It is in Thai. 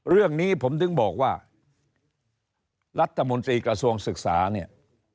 เรื่องนี้ผมถึงบอกว่ารัฐมนตรีกระทรวงศึกษาเนี่ย